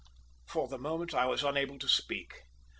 For the moment I was unable to speak.